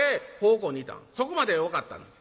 そこまではよかったんや。